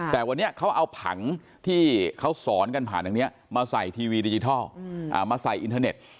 แต่วันนี้เขาเอาผังที่เขาสอนกันผ่านทางนี้มาใส่ทีวีดิจิทัลมาใส่อินเทอร์เน็ต